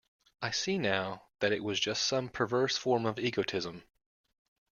I see now that it was just some perverse form of egotism.